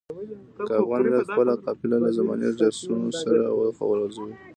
که افغان ملت خپله قافله له زماني جرسونو سره وخوځوي.